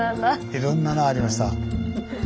いろんな穴ありました。